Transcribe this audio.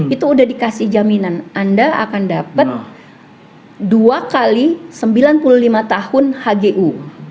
itu udah dikasih jaminan anda akan dapat dua x sembilan puluh lima tahun hgu